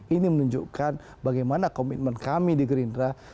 ini menunjukkan bagaimana komitmen kami di gerindra